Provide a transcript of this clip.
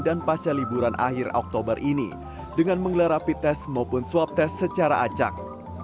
dan pasca liburan akhir oktober ini dengan mengelar rapid test maupun swab test secara acak